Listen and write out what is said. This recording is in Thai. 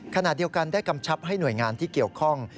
ขณะเดียวกันได้กำชับให้หน่วยงานที่เกี่ยวข้อง